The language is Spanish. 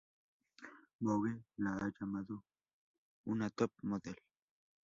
Vogue la ha llamado una top model.